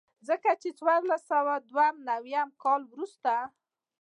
ځکه چې د څوارلس سوه دوه نوي کال وروسته.